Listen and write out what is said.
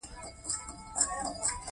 چې د یو ستر هېواد عمارت پرې درولی شو.